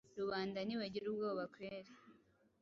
rubanda ntibagira ubwoba kweri